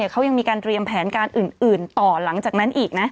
เขายังมีการเตรียมแผนการอื่นต่อหลังจากนั้นอีกนะ